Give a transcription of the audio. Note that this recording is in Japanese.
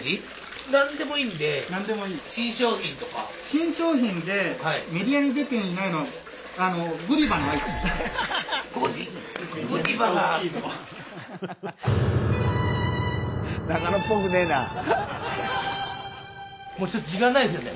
新商品でメディアに出ていないのはちょっと時間ないですよね。